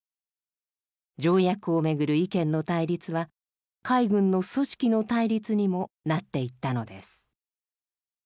条約をめぐる意見の対立は海軍の組織の対立にもなっていったのです。